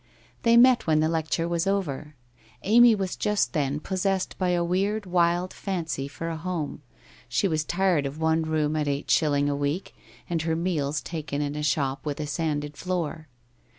They met when the lecture was over. Amy was just then possessed by a weird, wild fancy for a home; she was tired of one room at eight shilling a week, and her meals taken in a shop with a sanded floor.